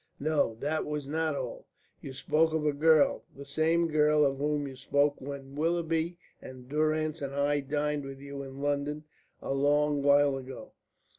"No, that was not all you spoke of a girl, the same girl of whom you spoke when Willoughby and Durrance and I dined with you in London a long while ago.